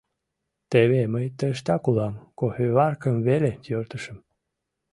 — Теве мый тыштак улам, кофеваркым веле йӧртышым.